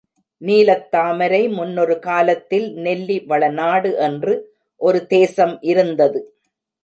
நீலத்தாமரை முன்னொரு காலத்தில் நெல்லி வளநாடு என்று ஒரு தேசம் இருந்தது.